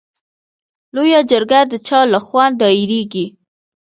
لویه جرګه د چا له خوا دایریږي؟